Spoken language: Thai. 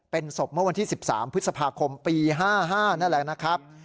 เป็นศพเมื่อวันที่๑๓พฤษภาคมปี๕๕นั่นแหละนะครับ